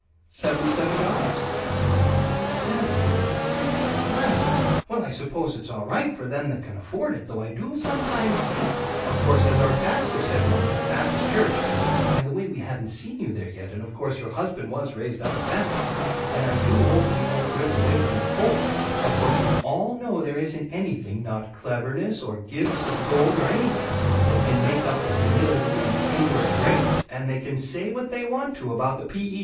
"Seventy seven dollars!" "Sev Sakes alive! Well, I suppose it's all right for them that can afford it, though I do sometimes think Of course as our pastor said once, at Baptist Church By the way, we haven't seen you there yet, and of course your husband was raised up a Baptist, and I do hope he won't drift away from the fold, of course we all know there isn't anything, not cleverness or gifts of gold or anything, that can make up for humility and the inward grace and they can say what they want to about the P. E.